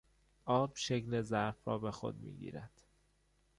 آب شکل ظرف را به خود میگیرد.